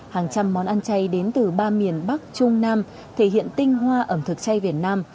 hàng trăm món ăn chay đến từ ba miền bắc trung nam thể hiện tinh hoa ẩm thực chay việt nam